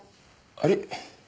あれ？